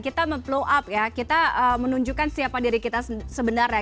kita menunjukkan siapa diri kita sebenarnya